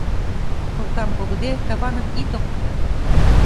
Кылтам погыде, каваным ит опто...